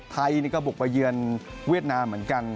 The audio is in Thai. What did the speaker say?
ไทยก็บุกไปเยือนเวียดนามเหมือนกัน